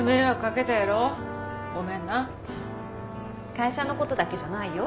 会社のことだけじゃないよ。